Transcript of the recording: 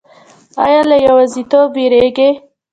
ایا له یوازیتوب ویریږئ؟